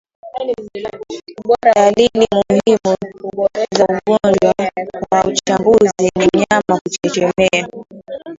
Dalili muhimu za ugonjwa wa chambavu ni mnyama kuchechemea